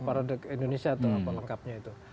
parade indonesia atau apa lengkapnya itu